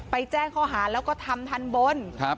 ไปแจ้งข้อหาแล้วก็ทำท่านบนครับ